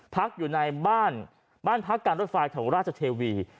พักอยู่ในบ้านบ้านพักการรถไฟแถวราชเทวี